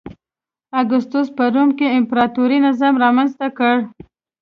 اګوستوس په روم کې امپراتوري نظام رامنځته کړ.